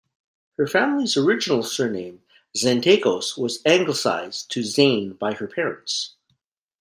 Her family's original surname, "Zanetakos", was anglicized to "Zane" by her parents.